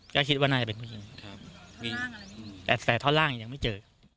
ก็คิดว่าน่าจะเป็นผู้หญิงครับท่อนร่างอะไรอืมแต่แต่ท่อนร่างยังไม่เจอ